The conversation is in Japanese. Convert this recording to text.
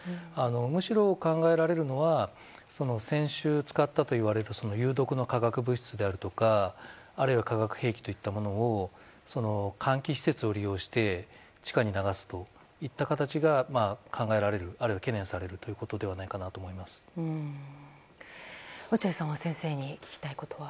むしろ考えられるのは先週使ったといわれる有毒の化学物質であるとかあるいは化学兵器というものを換気施設を利用して地下に流すといった形が考えられるあるいは懸念されるものでは落合さんは先生に聞きたいことは？